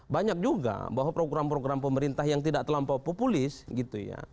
banyak juga bahwa program program pemerintah yang tidak terlampau populis gitu ya